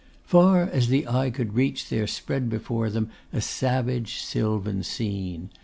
Far as the eye could reach there spread before them a savage sylvan scene.